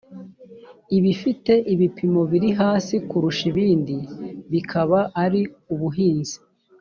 ibifite ibipimo biri hasi kurusha ibindi bikaba ari ubuhinzi